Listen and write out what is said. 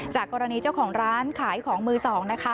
จากกรณีเจ้าของร้านขายของมือสองนะคะ